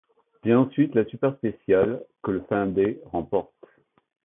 Vient ensuite la super spéciale, que le finlandais remporte.